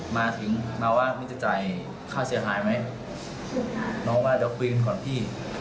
มาถึงมาว่าพี่จะจ่ายค่าเสียหายไหมน้องว่าเดี๋ยวคืนก่อนพี่